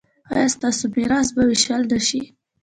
ایا ستاسو میراث به ویشل نه شي؟